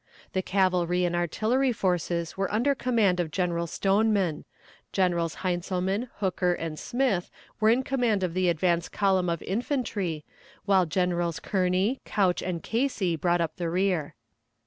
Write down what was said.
The cavalry and artillery forces were under command of General Stoneman; Generals Heintzelman, Hooker and Smith were in command of the advance column of infantry, while Generals Kearney, Couch and Casey brought up the rear.